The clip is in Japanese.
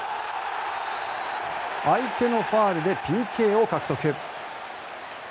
相手のファールでＰＫを獲得。